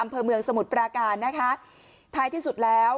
อำเภอเมืองสมุทรปราการนะคะท้ายที่สุดแล้ว